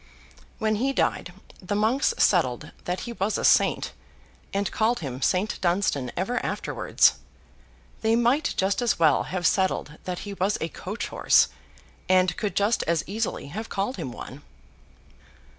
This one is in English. When he died, the monks settled that he was a Saint, and called him Saint Dunstan ever afterwards. They might just as well have settled that he was a coach horse, and could just as easily have called him one.